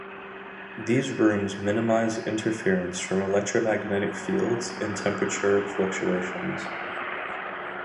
These rooms minimise interference from electromagnetic fields and temperature fluctuations.